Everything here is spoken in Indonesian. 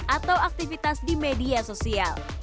atau aktivitas di media sosial